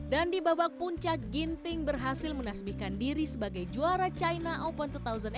dan di babak puncak ginting berhasil menasbihkan diri sebagai juara china open dua ribu delapan belas